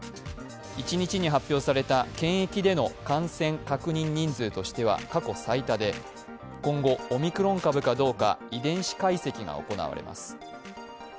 １日に発表された検疫での感染確認人数としては過去最多で今後、オミクロン株かどうか遺伝子解析が行われます。